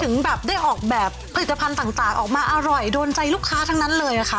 ถึงแบบได้ออกแบบผลิตภัณฑ์ต่างออกมาอร่อยโดนใจลูกค้าทั้งนั้นเลยค่ะ